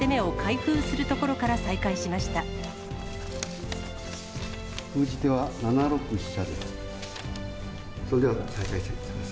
封じ手は、７六飛車です。